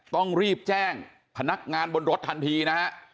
ต้องรีบแจ้งพนักงานบนรถทันทีนะฮะ